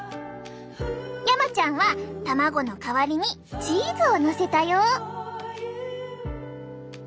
山ちゃんは卵の代わりにチーズをのせたよ。